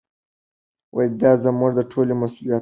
دا زموږ د ټولو مسؤلیت دی.